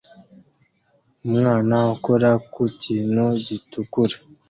Umwana ukora ku kintu gitukura